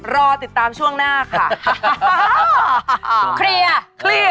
รอติดตามช่วงหน้าค่ะ